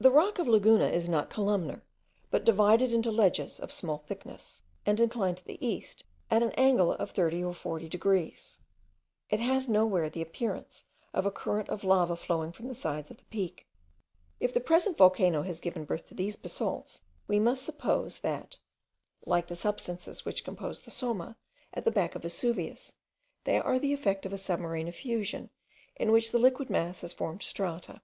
The rock of Laguna is not columnar, but is divided into ledges, of small thickness, and inclined to the east at an angle of 30 or 40 degrees. It has nowhere the appearance of a current of lava flowing from the sides of the peak. If the present volcano has given birth to these basalts, we must suppose, that, like the substances which compose the Somma, at the back of Vesuvius, they are the effect of a submarine effusion, in which the liquid mass has formed strata.